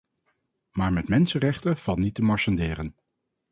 Maar met mensenrechten valt niet te marchanderen.